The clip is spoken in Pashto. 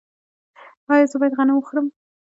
ایا زه باید غنم وخورم؟